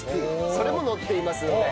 それも載っていますので。